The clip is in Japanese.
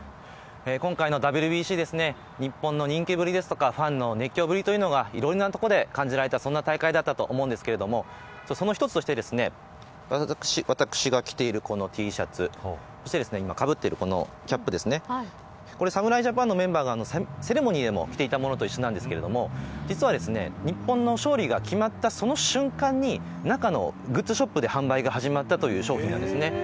今回のＷＢＣは日本の人気ぶりやファンの熱狂ぶりがいろいろなところで感じられたそんな大会だったと思うのですがその一つとして私が着ているこのＴシャツそして私が被っているこのキャップこれは、侍ジャパンのメンバーがセレモニーでも着てたのと一緒なんですが実は日本の勝利が決まったその瞬間に中のグッズショップで販売が始まったという商品なんです。